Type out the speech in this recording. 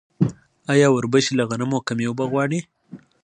آیا وربشې له غنمو کمې اوبه غواړي؟